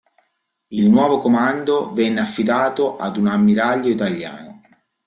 Il nuovo comando venne affidato ad un ammiraglio italiano.